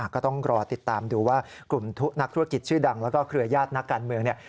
ก็ต้องรอติดตามดูว่ากลุ่มนักธุรกิจชื่อดังแล้วก็เครือญาตินักการเมืองเนี่ย